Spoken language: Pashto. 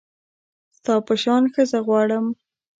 ستا په شان ښځه غواړم